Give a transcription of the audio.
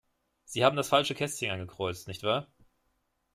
Sie haben das falsche Kästchen angekreuzt, nicht wahr?